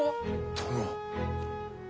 殿。